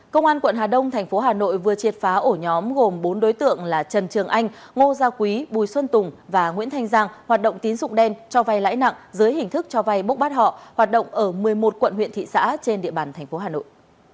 công an quận hà đông thành phố hà nội vừa triệt phá ổ nhóm gồm bốn đối tượng là trần trường anh ngô gia quý bùi xuân tùng và nguyễn thanh giang hoạt động tín dụng đen cho vay lãi nặng dưới hình thức cho vay bốc bắt họ hoạt động ở một mươi một quận huyện thị xã trên địa bàn tp hà nội